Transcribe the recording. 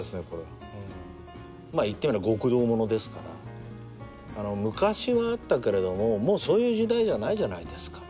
言ってみりゃ極道物ですから昔はあったけれどももうそういう時代じゃないじゃないですか。